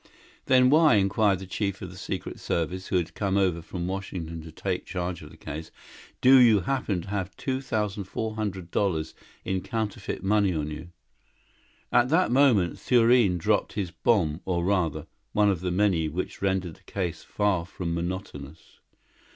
"Then why," inquired the chief of the Secret Service, who had come over from Washington to take charge of the case, "do you happen to have two thousand four hundred dollars in counterfeit money on you?" At that moment Thurene dropped his bomb or, rather, one of the many which rendered the case far from monotonous.